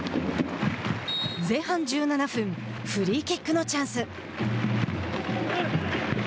前半１７分フリーキックのチャンス。